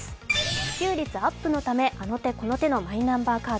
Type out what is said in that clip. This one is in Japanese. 普及率アップのため、あの手この手のマイナンバーカード。